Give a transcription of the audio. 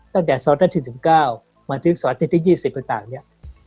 ตั้งแต่สวัสดี๔๙มาถึงสวัสดี๒๐ต่างเนี่ย